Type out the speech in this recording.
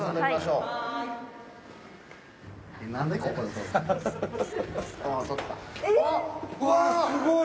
うわすごい！